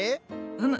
うむ。